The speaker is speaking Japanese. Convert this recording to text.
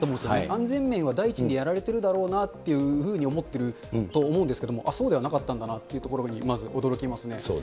安全面は第一にやられてるだろうなというふうに思ってると思うんですけども、そうではなかったんだなというところにまず驚きますね。